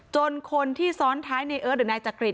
คนที่ซ้อนท้ายในเอิร์ทหรือนายจักริต